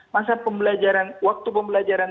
masa pembelajaran waktu pembelajaran